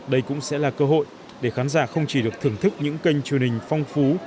đây cũng sẽ là cơ hội để khán giả không chỉ được thưởng thức những kênh truyền hình phong phú